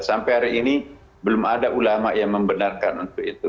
sampai hari ini belum ada ulama yang membenarkan untuk itu